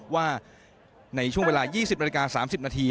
ว่าในช่วงเวลา๒๐นาฬิกา๓๐นาที